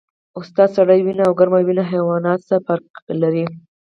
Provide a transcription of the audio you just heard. استاده سړه وینه او ګرمه وینه حیوانات څه فرق لري